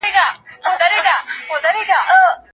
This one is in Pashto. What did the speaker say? د خاوند او ميرمني تر منځ مشترک حق کوم دی؟